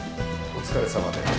お疲れさまです。